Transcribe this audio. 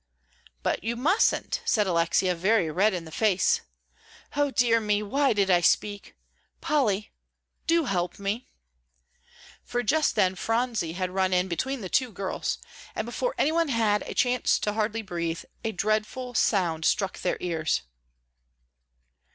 "But you mustn't," said Alexia, very red in the face. "O dear me, why did I speak! Polly, do help me," for just then Phronsie had run in between the two girls, and before any one had a chance to hardly breathe, a dreadful sound struck their ears.